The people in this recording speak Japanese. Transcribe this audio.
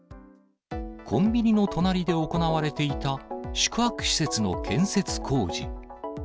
コンビニの隣で行われていた宿泊施設の建設工事。